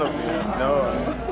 mereka hanya menyenangkan saya